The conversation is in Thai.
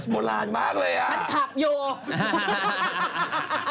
บราณมากเลยอ่ะ